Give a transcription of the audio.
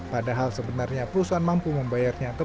padahal sebenarnya perusahaan mampu membayar penundaan thr